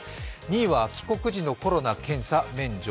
２位は帰国時のコロナ検査免除。